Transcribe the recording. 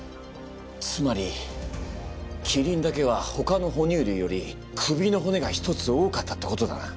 つまりキリンだけはほかの哺乳類より首の骨が１つ多かったってことだな？